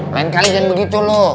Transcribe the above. lain kali jangan begitu lo